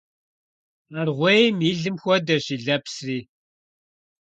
Аргъуейм и лым хуэдэщ и лэпсри.